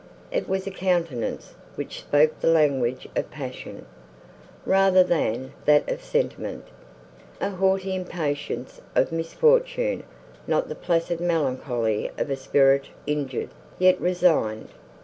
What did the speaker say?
It was a countenance, which spoke the language of passion, rather than that of sentiment; a haughty impatience of misfortune—not the placid melancholy of a spirit injured, yet resigned.